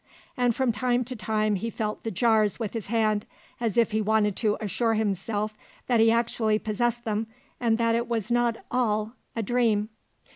And from time to time he felt the jars with his hand, as if he wanted to assure himself that he actually possessed them and that it was not all a dream.